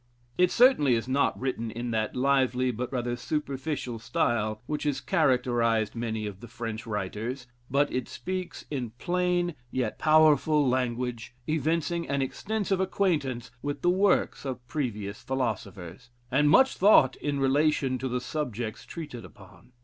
It certainly is not written in that lively, but rather superficial style, which has characterized many of the French writers, but it speaks in plain yet powerful language, evincing an extensive acquaintance with the works of previous philosophers, and much thought in relation to the subjects treated upon.